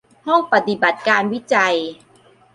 ห้องปฏิบัติการวิจัย